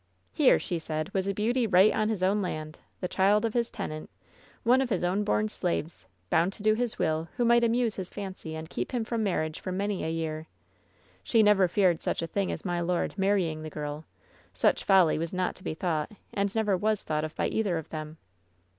'Here,' she said, ^was a beauty right on his own land, the child of his tenant, one of his own born slaves, bound to do his will, who might amuse his fancy and keep him from marriage for many a year. She never feared such a thing as my lord marrying the girl. Such folly was not to be thought, and never was thought of by either of them."